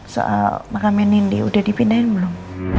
soal makamnya nindi udah dipindahin belum